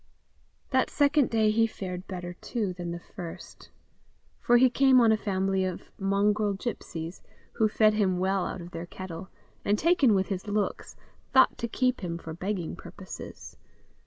That second day he fared better, too, than the first; for he came on a family of mongrel gipsies, who fed him well out of their kettle, and, taken with his looks, thought to keep him for begging purposes.